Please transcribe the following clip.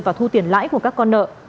và thu tiền lãi của các con nợ